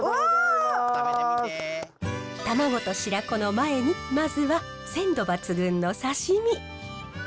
卵と白子の前にまずは鮮度抜群の刺身。